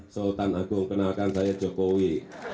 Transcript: sultan agung kenalkan saya jokowi